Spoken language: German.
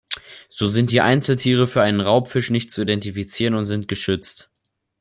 So sind die Einzeltiere für einen Raubfisch nicht zu identifizieren und sind geschützt.